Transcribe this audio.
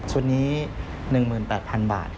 ชุดนี้๑๘๐๐๐บาท